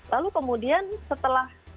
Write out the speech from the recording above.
lalu kemudian setelah